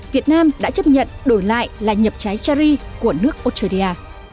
việt nam đã chấp nhận đổi lại là nhập trái charri của nước australia